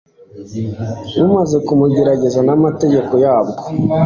bumaze kumugerageza n'amategeko yabwo